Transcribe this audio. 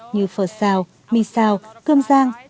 như phở xào mì xào cơm rang